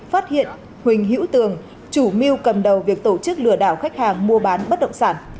phát hiện huỳnh hữu tường chủ mưu cầm đầu việc tổ chức lừa đảo khách hàng mua bán bất động sản